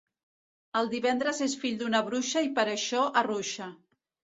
El divendres és fill d'una bruixa i per això arruixa.